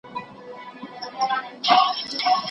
د لیکوالو ورځ د هغوی د خدمتونو د قدردانۍ ورځ ده.